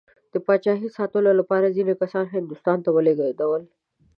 د پاچایۍ ساتلو لپاره ځینې کسان هندوستان ته ولېږدول.